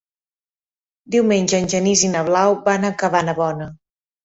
Diumenge en Genís i na Blau van a Cabanabona.